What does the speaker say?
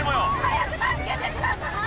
・早く助けてください！